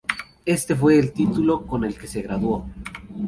Este fue el título con el que se graduó.